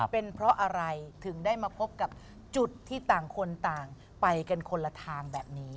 เป็นเพราะอะไรถึงได้มาพบกับจุดที่ต่างคนต่างไปกันคนละทางแบบนี้